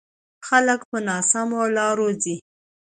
خلک په ناسمو لارو ځي.